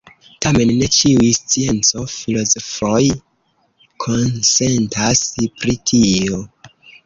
Tamen ne ĉiuj scienco-filozofoj konsentas pri tio.